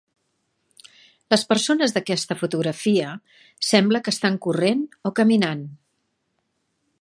Les persones d"aquesta fotografia sembla que estan corrent o caminant.